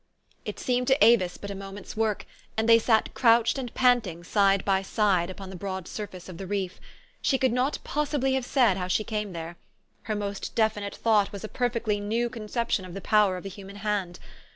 It seemed to Avis but a moment's work ; and they sat crouched and panting side by side upon the broad surface of the reef. She could not possibly have said how she came there. Her most definite thought was a perfectly new conception of the power of the human hand.